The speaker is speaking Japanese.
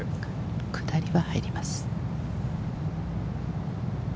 下りは入ります。